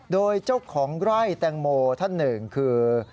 โดยเจ้าของไร่แตงโมท่านหนึ่งคือ